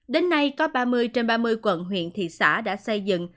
đến nay có ba mươi trên ba mươi quận huyện thị xã đã xây dựng